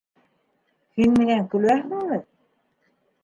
Һин минән көләһеңме?